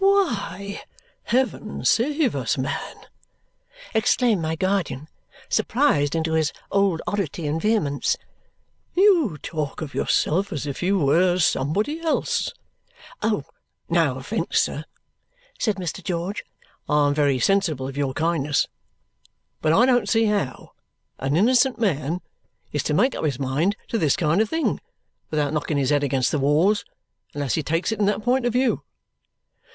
"Why, heaven save us, man," exclaimed my guardian, surprised into his old oddity and vehemence, "you talk of yourself as if you were somebody else!" "No offence, sir," said Mr. George. "I am very sensible of your kindness. But I don't see how an innocent man is to make up his mind to this kind of thing without knocking his head against the walls unless he takes it in that point of view.